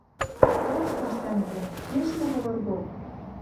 «Качкаш, тӓнгвлӓ! Кешнӓ повар док!»